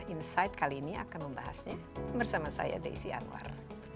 insight kali ini akan membahasnya bersama saya desi anwar